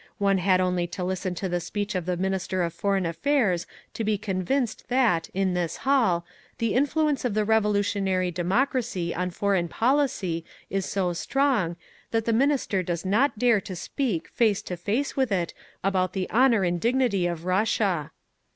One had only to listen to the speech of the Minister of Foreign Affairs to be convinced that, in this hall, the influence of the revolutionary democracy on foreign policy is so strong, that the Minister does not dare to speak face to face with it about the honour and dignity of Russia!